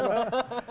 oh enggak dong